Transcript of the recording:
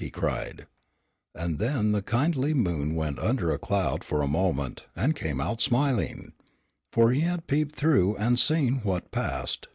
he cried, and then the kindly moon went under a cloud for a moment and came out smiling, for he had peeped through and had seen what passed.